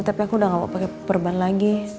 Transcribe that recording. tapi aku udah gak mau pakai perban lagi